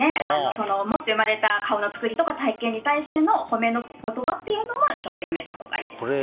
持って生まれた顔のつくりとか体のつくりに対する褒めの言葉というのもちょっとやめたほうがいいですね。